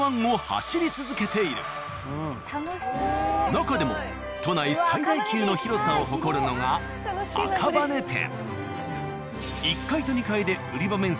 なかでも都内最大級の広さを誇るのが赤羽店。